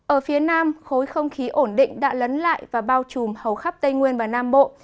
ở phía nam khối không khí ổn định đã lấn lại và bao trùm hầu khắp tây nguyên và nam bộ